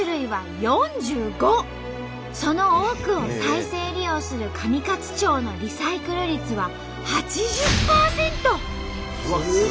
その多くを再生利用する上勝町のリサイクル率は８０％！